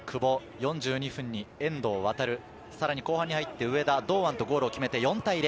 ４２分に遠藤航、さらに後半に入って上田、堂安とゴールを決めて４対０。